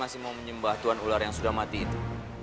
sembah tuhan ular yang sudah mati itu